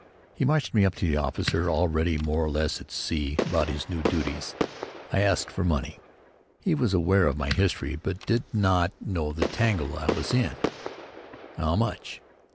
He marched me up to the officer, already more or less at sea about his new duties. I asked for money. He was aware of my history but not of the tangle I was in: "How much?"